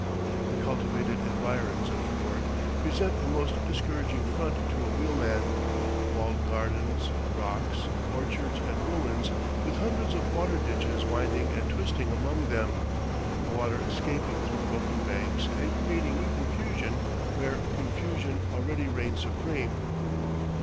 The cultivated environs of Foorg present a most discouraging front to a wheelman; walled gardens, rocks, orchards, and ruins, with hundreds of water ditches winding and twisting among them, the water escaping through broken banks and creating new confusion where confusion already reigns supreme.